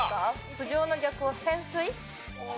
浮上の逆は潜水？